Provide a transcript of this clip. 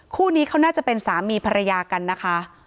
คู่นี้เขาน่าจะเป็นสามีภรรยากันนะคะ